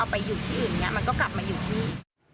ไปอยู่ที่อื่นอย่างนี้มันก็กลับมาอยู่ที่